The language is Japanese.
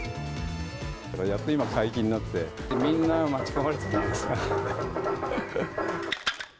やっと今、解禁になって、みんな待ち焦がれてたんじゃないですかね。